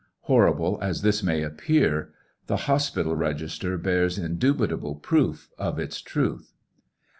Horrible as this may appear, the hospital register bears indubitable proof of its truth.